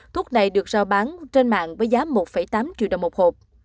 thuốc này được giao bán trên mạng với giá một tám triệu đồng một hộp